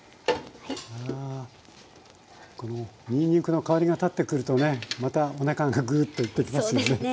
このにんにくの香りが立ってくるとねまたおなかがグーッといってきますよね。